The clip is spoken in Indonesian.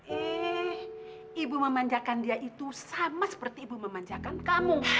eh ibu memanjakan dia itu sama seperti ibu memanjakan kamu